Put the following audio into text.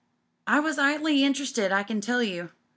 I was 'ighly interested, I can tell you.